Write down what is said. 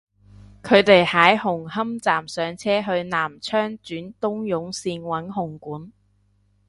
佢哋喺紅磡站上車去南昌轉東涌綫搵紅館